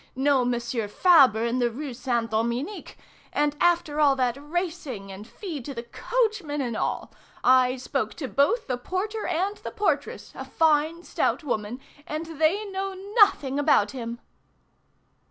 No Monsieur Fabre in the Rue Saint Dominique! And after all that racing and fee to the coachman and all! I spoke to both the porter and the portress, a fine, stout woman, and they know nothing about him!"